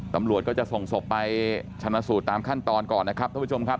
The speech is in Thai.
ตำรวจก็จะส่งศพไปชนะสูตรตามขั้นตอนก่อนนะครับท่านผู้ชมครับ